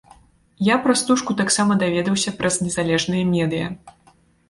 Я пра стужку таксама даведаўся праз незалежныя медыя.